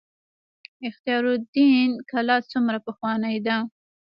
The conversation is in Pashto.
اختیار الدین کلا څومره پخوانۍ ده؟